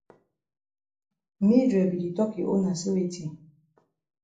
Mildred be di tok yi own na say weti?